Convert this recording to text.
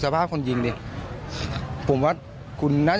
แผ่นน้องบากเลย